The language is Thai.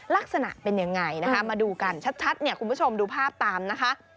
ลักษณะเป็นยังไงนะคะมาดูกันชัดเนี่ยคุณผู้ชมดูภาพตามนะคะ